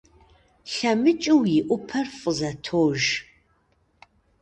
ЛъэмыкӀыу и Ӏупэр фӀызэтож.